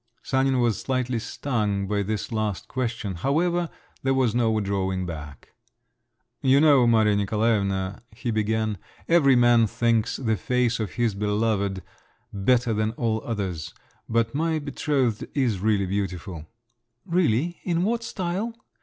Sanin was slightly stung by this last question…. However, there was no drawing back. "You know, Maria Nikolaevna," he began, "every man thinks the face of his beloved better than all others; but my betrothed is really beautiful." "Really? In what style?